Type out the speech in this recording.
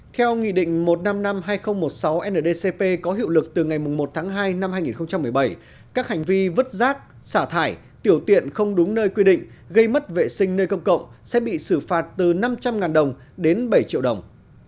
theo nghị định một trăm năm mươi năm hai nghìn một mươi sáu ndcp có hiệu lực từ ngày một tháng hai năm hai nghìn một mươi bảy các hành vi vứt rác xả thải tiểu tiện không đúng nơi quy định gây mất vệ sinh nơi công cộng sẽ bị xử phạt từ năm trăm linh đồng đến bảy triệu đồng